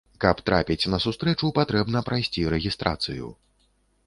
Каб трапіць на сустрэчу, патрэбна прайсці рэгістрацыю.